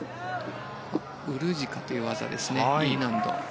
ウルジカという技、Ｅ難度。